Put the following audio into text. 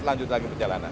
lanjut lagi perjalanan